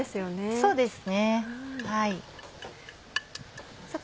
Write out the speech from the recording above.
そうですね